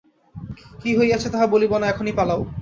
কী হইয়াছে তাহা বলিব না, এখনই পালাও।